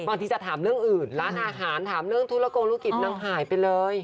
บางทีจะถามเรื่องอื่นร้านอาหารถามเรื่องธุรกงธุรกิจนางหายไปเลย